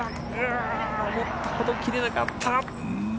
思ったほど切れなかった。